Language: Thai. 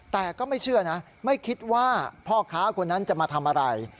แต่ก็ไม่เชื่อนะไม่คิดว่าพ่อค้าคนนั้นจะมาทำอะไร